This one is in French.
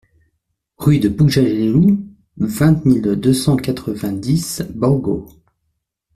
Rue de Pughjalellu, vingt mille deux cent quatre-vingt-dix Borgo